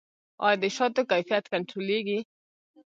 آیا د شاتو کیفیت کنټرولیږي؟